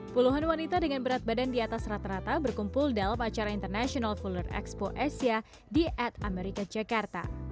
puluhan wanita dengan berat badan di atas rata rata berkumpul dalam acara international full expo asia di at america jakarta